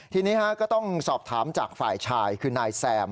ทีนี้ก็ต้องสอบถามจากฝ่ายชายคือนายแซม